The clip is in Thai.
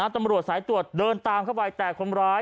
ตำรวจสายตรวจเดินตามเข้าไปแต่คนร้าย